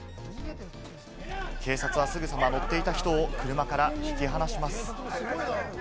警察はすぐさま乗っていた人を車から引き離します。